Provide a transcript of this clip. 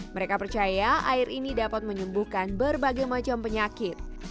mereka percaya air ini dapat menyembuhkan berbagai macam penyakit